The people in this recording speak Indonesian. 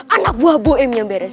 anak buah bom yang beres